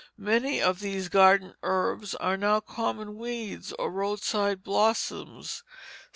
Many of these garden herbs are now common weeds or roadside blossoms.